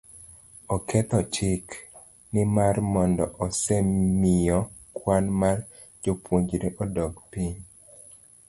oketho chik, nimar mano osemiyo kwan mar jopuonjre odok piny,